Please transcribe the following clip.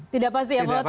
tidak pasti ya modal